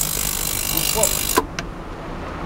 Yewweḍ.